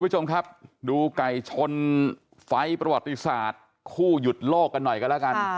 คุณผู้ชมครับดูไก่ชนไฟประวัติศาสตร์คู่หยุดโลกกันหน่อยกันแล้วกัน